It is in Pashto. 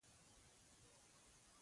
یوه بې پروا بې خبره او تنبله نجلۍ وم.